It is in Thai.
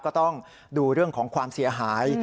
ก็ต้องดูเรื่องของความเสียหาย